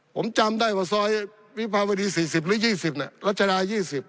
ผมจำได้ว่าซอยวิภาวดี๔๐หรือ๒๐รัชดา๒๐